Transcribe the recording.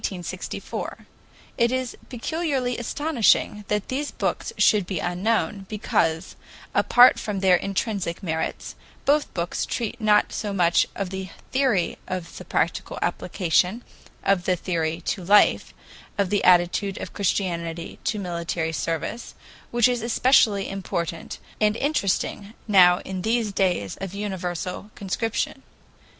It is particularly astonishing that these books should be unknown, because, apart from their intrinsic merits, both books treat not so much of the theory as of the practical application of the theory to life, of the attitude of Christianity to military service, which is especially important and interesting now in these clays of universal conscription.